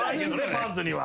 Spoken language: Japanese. パンツには。